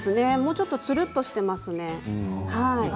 ちょっとつるっとしていますね。